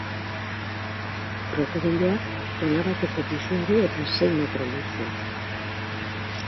Krokodiloak tona bateko pisua du eta sei metro luze da.